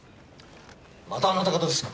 またあなた方ですか！